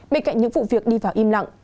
bên cạnh những vụ việc đi vào im lặng